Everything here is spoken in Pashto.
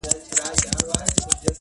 كه د زور تورو وهل د چا سرونه؛